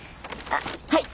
あっはい。